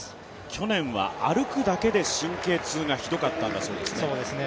去年は歩くだけで神経痛がひどかったんだそうですね。